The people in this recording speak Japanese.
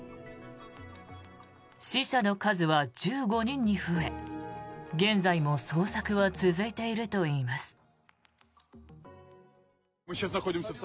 死者の数は１５人に増え、現在も捜索は続いているといいます。